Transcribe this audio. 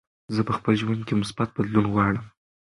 زه په خپل ژوند کې مثبت بدلون غواړم.